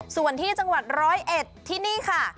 ส่วนที่จังหวัดร้อยเอ็ดที่นี่ค่ะ